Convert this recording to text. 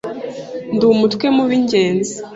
Ndi umutwe mu b'ingenzi